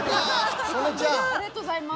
ありがとうございます。